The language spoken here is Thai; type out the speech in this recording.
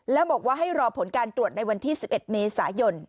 แล้วบอกว่าให้รอผลการตรวจในวันที่๑๑เมษายน